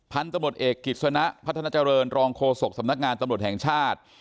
พันธ์โตรดเอกกริจสุยนะพัทนาเจริญลองโคศอกสำนักงานตำลดแห่งชาด